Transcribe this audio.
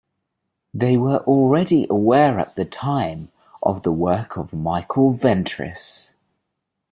They were already aware at the time of the work of Michael Ventris.